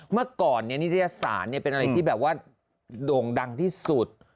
เมื่อก่อนนิตยสารเป็นอะไรที่แบบว่าโด่งดังที่สุด